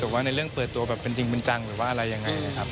แต่ว่าในเรื่องเปิดตัวแบบเป็นจริงเป็นจังหรือว่าอะไรยังไงนะครับ